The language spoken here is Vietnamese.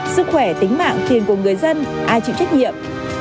sức khỏe tính mạng tiền của người dân ai chịu trách nhiệm